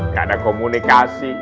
gak ada komunikasi